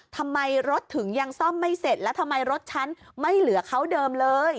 ทำไมรถถึงยังซ่อมไม่เสร็จแล้วทำไมรถฉันไม่เหลือเขาเดิมเลย